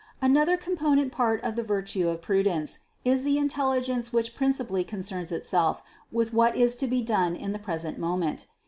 539. Another component part of the virtue of pru dence is the intelligence which principally concerns itself with what is to be done in the present moment.